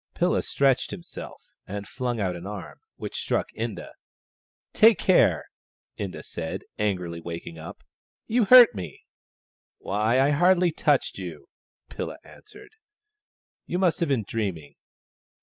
Pilla stretched himself, and flung out an arm, which struck Inda. " Take care !" Inda said, angrily, waking up. " You hurt me." " Why, I hardly touched you," Pilla answered. " You must have been dreaming."